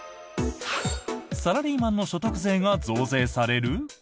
サラリーマンの所得税が増税される？